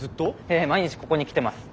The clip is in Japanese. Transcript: ええ毎日ここに来てます。